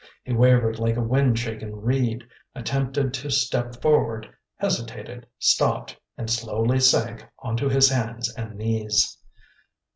He wavered like a wind shaken reed, attempted to step forward, hesitated, stopped, and slowly sank on to his hands and knees.